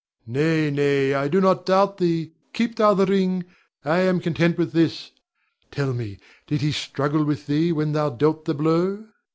Nay, nay, I do not doubt thee; keep thou the ring. I am content with this. Tell me, did he struggle with thee when thou dealt the blow?